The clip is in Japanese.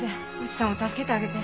内さんを助けてあげて。